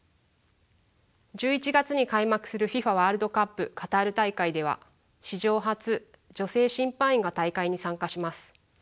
１１月に開幕するＦＩＦＡワールドカップカタール大会では史上初女性審判員が大会に参加します。